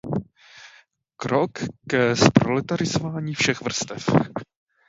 Krok ke zproletarizování všech vrstev.